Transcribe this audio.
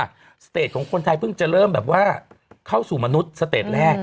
เอิ้นสเตจคนไทยพึ่งจะเลิกมาเข้าสู่สเตจแรก